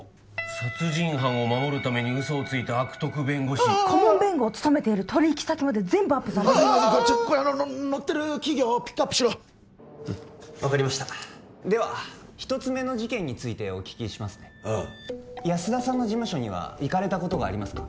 「殺人犯を守るために嘘をついた悪徳弁護士」顧問弁護を務めている取引先まで全部アップされてるこれ載ってる企業ピックアップしろ分かりましたでは１つ目の事件についてお聞きします安田さんの事務所には行かれたことがありますか？